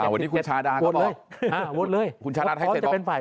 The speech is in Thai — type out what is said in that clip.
วันนี้คุณชาดาก็เลยคุณชาดาให้เสร็จก่อน